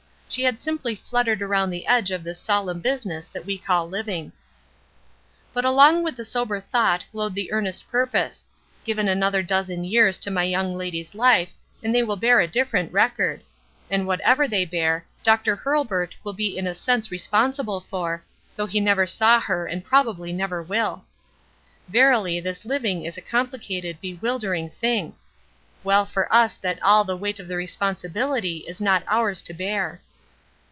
She had simply fluttered around the edge of this solemn business that we call living. But along with the sober thought glowed the earnest purpose: given another dozen years to my young lady's life and they will bear a different record; and whatever they bear, Dr. Hurlburt will be in a sense responsible for, though he never saw her and probably never will. Verily this living is a complicated bewildering thing Well for us that all the weight of the responsibility is not ours to bear.